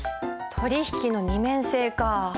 取引の二面性かあ。